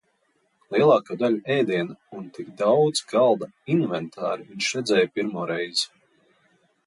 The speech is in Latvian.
"Lielāko daļu ēdienu un tik daudz galda "inventāra" viņš redzēja pirmo reizi."